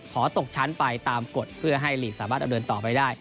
ตกชั้นไปตามกฎเพื่อให้หลีกสามารถดำเนินต่อไปได้